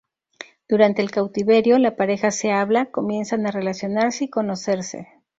Durante el cautiverio, la pareja se habla; comienzan a relacionarse y conocerse.